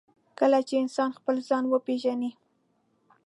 کله چې انسان خپل ځان وپېژني.